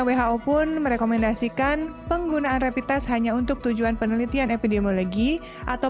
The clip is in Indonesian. who pun merekomendasikan penggunaan rapid test hanya untuk tujuan penelitian epidemiologi atau